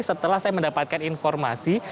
setelah saya mendapatkan informasi